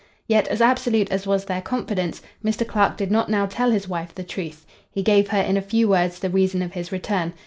Yet, as absolute as was their confidence, Mr. Clark did not now tell his wife the truth. He gave her in a few words the reason of his return.